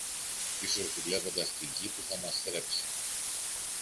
Ίσως δουλεύοντας τη γη που θα μας θρέψει.